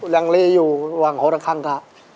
ลังเลอยู่หวังคนละครั้งค่ะ